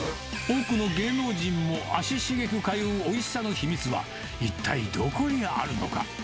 多くの芸能人も足しげく通うおいしさの秘密は、一体どこにあるのか。